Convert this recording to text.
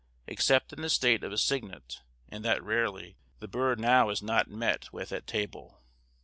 Except in the state of a cygnet, and that rarely, the bird now is not met with at table.